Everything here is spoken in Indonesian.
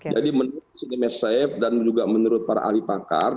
jadi menurut sinemeseb dan juga menurut para ahli pakar